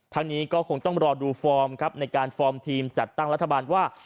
นี้ก็คงต้องรอดูฟอร์มครับในการฟอร์มทีมจัดตั้งรัฐบาลว่า